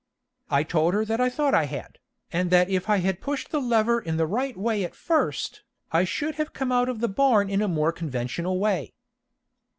I told her that I thought I had, and that if I had pushed the lever in the right way at first, I should have come out of the barn in a more conventional way.